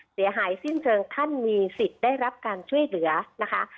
เสียหายสิ้นเชิงท่านมีสิทธิ์ได้รับการช่วยเหลือนะคะ